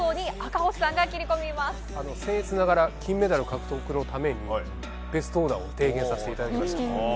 僭越ながら金メダル獲得のためにベストオーダーを提言させていただきました。